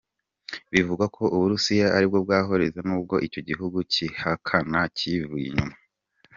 Bivugwa ko u Burusiya ari bwo bwabaroze nubwo icyo gihugu kibihakana cyivuye inyuma.